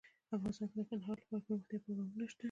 افغانستان کې د کندهار لپاره دپرمختیا پروګرامونه شته.